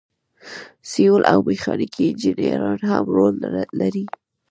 سیول او میخانیکي انجینران هم رول لري.